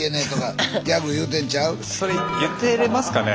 それ言ってますかね？